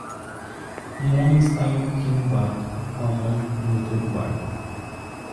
Um homem está em um pequeno barco com a mão no motor do barco.